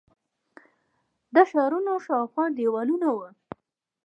د ښارونو شاوخوا دیوالونه وو